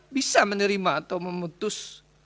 bisa menerima atau memutus